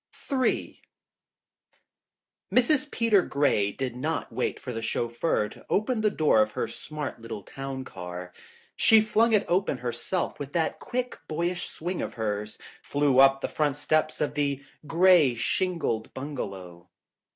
Ill A/TRS. PETER GRAY did not wait for the J Vl chauffeur to open the door of her smart little town car. She flung it open herself and with that quick, boyish swing of hers, flew up the front steps of the gray, shingled bungalow.